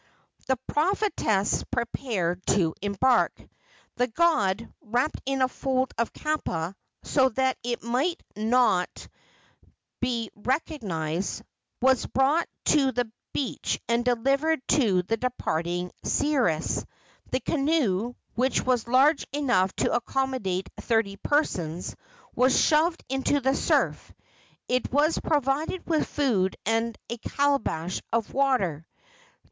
The prophetess prepared to embark. The god, wrapped in a fold of kapa, so that it might not be recognized, was brought to the beach and delivered to the departing seeress. The canoe, which was large enough to accommodate thirty persons, was shoved into the surf. It was provided with food and a calabash of water.